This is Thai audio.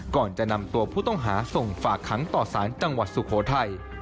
ก่อนจะนำตัวผู้ต้องหาส่งฝากขังต่อสารจังหวัดสุโขทัย